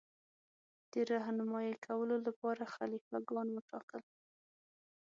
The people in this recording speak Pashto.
د رهنمايي کولو لپاره خلیفه ګان وټاکل.